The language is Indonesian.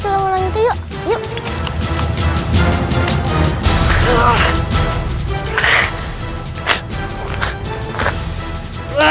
orang itu yuk yuk